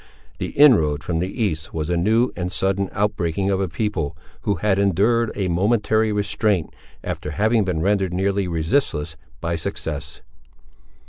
The inroad from the east was a new and sudden out breaking of a people, who had endured a momentary restraint, after having been rendered nearly resistless by success.